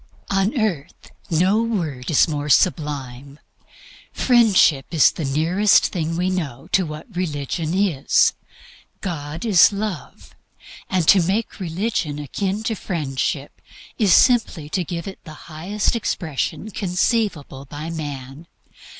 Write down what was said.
On earth no word is more sublime. Friendship is the nearest thing we know to what religion is. God is love. And to make religion akin to Friendship is simply to give it the highest expression conceivable by man.